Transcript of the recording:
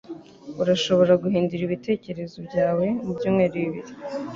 Urashobora guhindura ibitekerezo byawe mu byumweru bibiri.